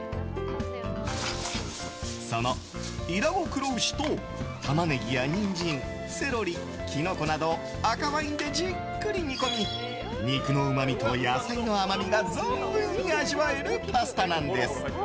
その伊良湖黒牛。とタマネギやニンジンセロリ、キノコなどを赤ワインでじっくり煮込んだ肉のうまみと野菜の甘みが存分に味わえるパスタなんです。